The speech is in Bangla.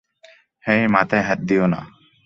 হেই, মাথায় হাত দিও না!